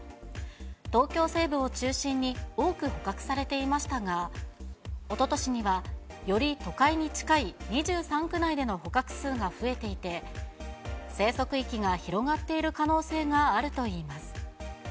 東京西部を中心に、多く捕獲されていましたが、おととしには、より都会に近い２３区内での捕獲数が増えていて、生息域が広がっている可能性があるといいます。